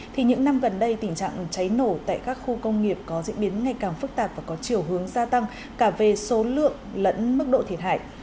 thì những năm gần đây tình trạng cháy nổ tại các khu công nghiệp có diễn biến ngày càng phức tạp và có chiều hướng gia tăng cả về số lượng lẫn mức độ thiệt hại